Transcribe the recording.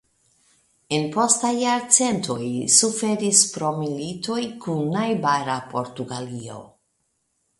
En postaj jarcentoj suferis pro militoj kun najbara Portugalio.